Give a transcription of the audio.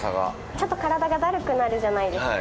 ちょっと体がだるくなるじゃないですか。